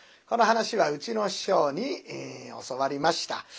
この噺はうちの師匠に教わりました。